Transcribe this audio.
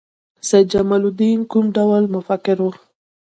سید جمال الدین کوم ډول مفکر و؟